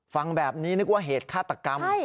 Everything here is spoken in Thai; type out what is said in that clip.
ฟังแบบนี้นึกว่าเหตุฆาตกรรม